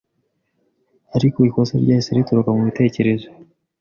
Ariko ikosa ryahise ritoroka mubitekerezo